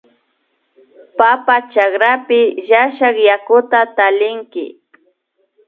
Papa chakrapika llashak yakuta tallinki